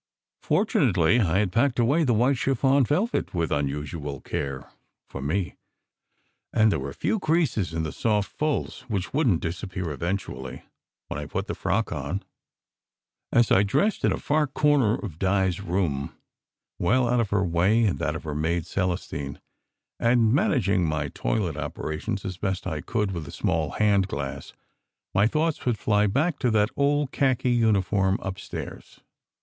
Fortunately I had packed away the white chiffon vel vet with unusual care (for me), and there were few creases in the soft folds which wouldn t disappear eventually when I had put the frock on. As I dressed in a far corner of Di s room (well out of her way and that of her maid, Celestine, and managing my toilet operations as best I 272 SECRET HISTORY could with a small hand glass) my thoughts would fly back to that old khaki uniform upstairs.